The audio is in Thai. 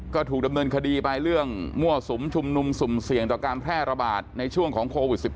ก็ถูกดำเนินคดีปลายเรื่องมั่วสุมชุมนุมสุมเสี่ยง